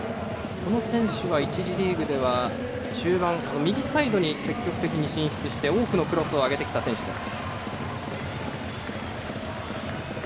この選手は１次リーグは中盤、右サイドに積極的に進出して、多くのクロスを上げてきた選手です。